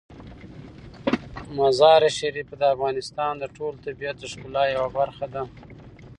مزارشریف د افغانستان د ټول طبیعت د ښکلا یوه برخه ده.